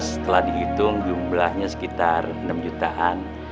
setelah dihitung jumlahnya sekitar enam jutaan